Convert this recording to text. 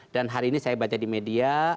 dan hari ini saya baca di media